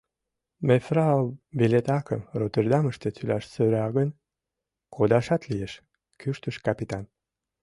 — Мефрау билет акым Роттердамыште тӱлаш сӧра гын, кодашат лиеш, — кӱштыш капитан.